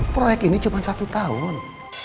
proyek ini cuma satu tahun